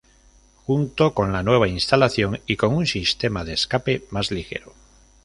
Junto con la nueva instalación, y con un sistema de escape más ligero.